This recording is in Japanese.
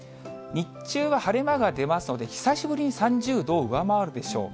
日中は晴れ間が出ますので、久しぶりに３０度を上回るでしょう。